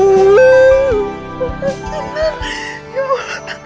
neng ya allah